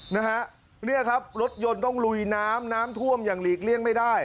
นะฮะเนี่ยครับรถยนต์ต้องลุยน้ำน้ำท่วมอย่างหลีกเลี่ยงไม่ได้